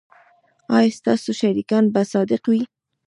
ایا ستاسو شریکان به صادق وي؟